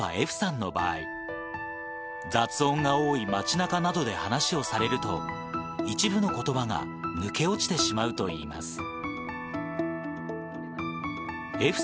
歩さんの場合、雑音が多い街なかなどで話をされると、一部のことばが抜け落ちてしまうといいます。笑